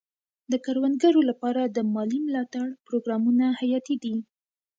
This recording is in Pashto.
د کروندګرو لپاره د مالي ملاتړ پروګرامونه حیاتي دي.